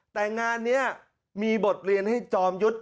แต่งานนี้มีบทเรียนให้จอมยุทธ์